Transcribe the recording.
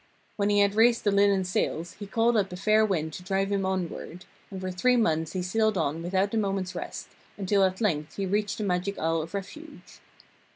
When he had raised the linen sails, he called up a fair wind to drive him onward, and for three months he sailed on without a moment's rest, until at length he reached the magic Isle of Refuge.